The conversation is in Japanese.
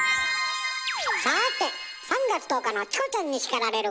さて３月１０日の「チコちゃんに叱られる！」